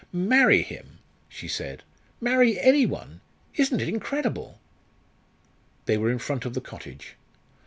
"Marry him!" she said. "Marry any one! Isn't it incredible?" They were in front of the cottage.